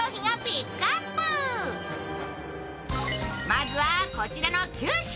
まずは、こちらの９品。